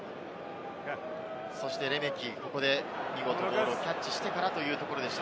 レメキ、ここで見事ボールをキャッチしてからというところでした。